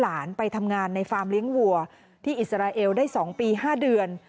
หลานไปทำงานในฟาร์มเลี้ยงวัวที่อิสราเอลได้๒ปี๕เดือน